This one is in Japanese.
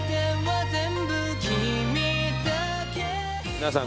皆さん